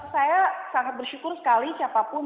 saya sangat bersyukur sekali siapapun